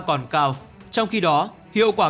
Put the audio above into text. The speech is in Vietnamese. còn cao trong khi đó hiệu quả